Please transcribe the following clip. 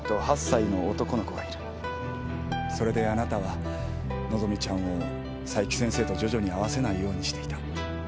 それであなたは和希ちゃんを佐伯先生と徐々に会わせないようにしていた。